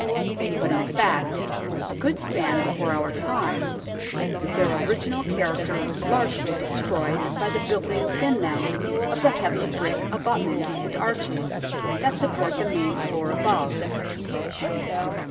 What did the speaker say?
But in fact, a good span before our time, their original character was largely destroyed by the building within them of the heavy brick abutments and arches that support the main floor above.